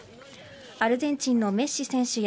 アルゼンチンのメッシ選手や